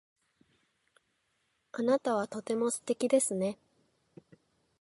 あなたはとても素敵ですね。